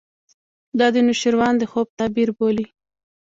دا د نوشیروان د خوب تعبیر بولي.